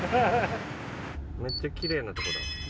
めっちゃきれいなとこだ。